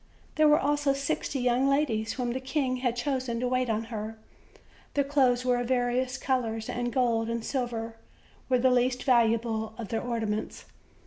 There were also sixty young ladies, whom the king had chosen to wait on her; their clothes were of various colors, and gold and silver were the least valuable of their ornaments.